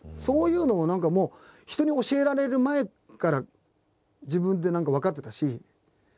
そういうのが何かもう人に教えられる前から自分で何か分かってたし。